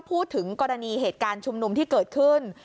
พูดถึงกรณีเหตุการณ์ชุมนุมที่เกิดขึ้น